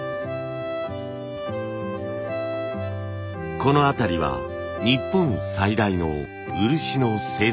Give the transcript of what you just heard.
この辺りは日本最大の漆の生産地。